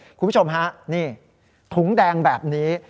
คุณผู้ชมฮะนี่ถุงแดงแบบนี้